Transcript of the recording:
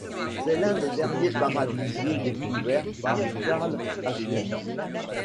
C'est l'un des derniers paradisiers découvert par Carl Hunstein.